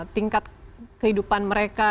tingkat kehidupan mereka